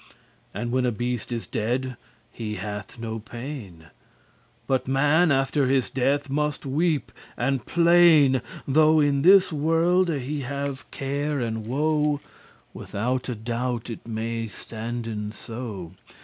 And when a beast is dead, he hath no pain; But man after his death must weep and plain, Though in this worlde he have care and woe: Withoute doubt it maye standen so.